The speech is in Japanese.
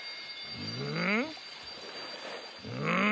うん？